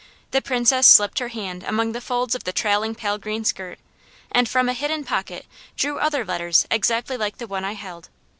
The Princess slipped her hand among the folds of the trailing pale green skirt, and from a hidden pocket drew other letters exactly like the one I held.